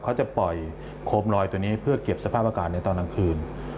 เขาจะปล่อยโคมลอยตัวนี้เพื่อเก็บสภาพอากาศในตอนกลางคืน